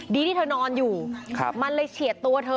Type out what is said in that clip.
ที่เธอนอนอยู่มันเลยเฉียดตัวเธอ